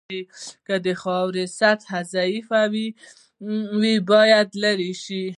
که د خاورې سطحه ضعیفه وي باید لرې شي